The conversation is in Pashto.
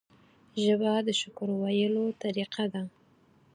ژبه د شکر ویلو طریقه ده